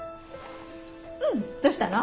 うんどうしたの？